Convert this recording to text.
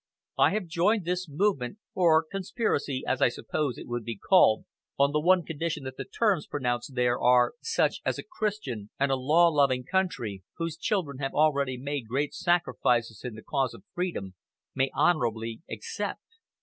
I have joined this movement or conspiracy, as I suppose it would be called on the one condition that the terms pronounced there are such as a Christian and a law loving country, whose children have already made great sacrifices in the cause of freedom, may honourably accept.